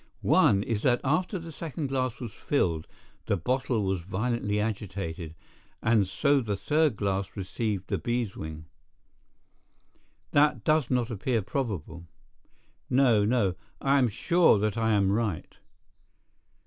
One is that after the second glass was filled the bottle was violently agitated, and so the third glass received the beeswing. That does not appear probable. No, no, I am sure that I am right."